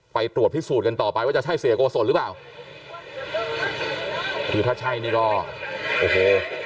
ไปตรวจพิสูจน์กันต่อไปว่าจะใช่เสียโกศลหรือเปล่าคือถ้าใช่นี่ก็โอ้โห